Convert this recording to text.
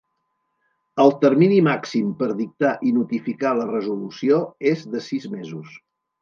El termini màxim per dictar i notificar la resolució és de sis mesos.